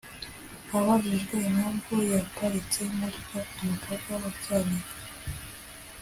Abajijwe impamvu yaparitse imodoka ku mupaka wa Cyanika